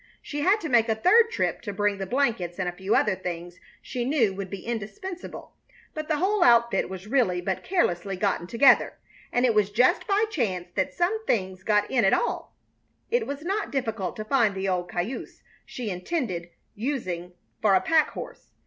She had to make a third trip to bring the blankets and a few other things she knew would be indispensable, but the whole outfit was really but carelessly gotten together, and it was just by chance that some things got in at all. It was not difficult to find the old cayuse she intended using for a pack horse.